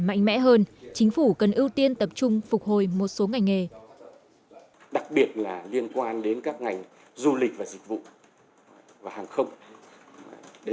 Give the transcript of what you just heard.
mạnh mẽ hơn chính phủ cần ưu tiên tập trung phục hồi một số ngành nghề